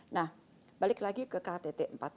nah balik lagi ke ktt empat puluh